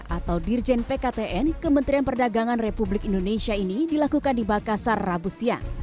atau dirjen pktn kementerian perdagangan republik indonesia ini dilakukan di makassar rabu siang